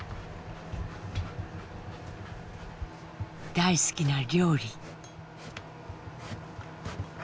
大好きな料理。